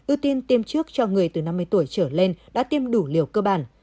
ưu tiên tiêm trước cho người từ năm mươi tuổi trở lên đã tiêm đủ liều cơ bản